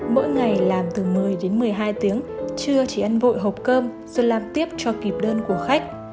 mỗi ngày làm từ một mươi đến một mươi hai tiếng chưa chỉ ăn vội hộp cơm rồi làm tiếp cho kịp đơn của khách